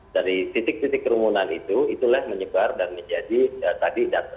dari titik titik kerumunan itu itulah menyebar dan menjadi tadi data